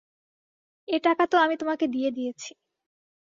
এ টাকা তো আমি তোমাকে দিয়ে দিয়েছি।